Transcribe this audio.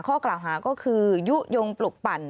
ข้อกล่าวหาก็คือยุโยงปลุกปั่น